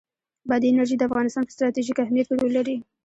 بادي انرژي د افغانستان په ستراتیژیک اهمیت کې رول لري.